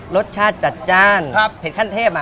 รสชาติจัดจ้านเผ็ดขั้นเทพ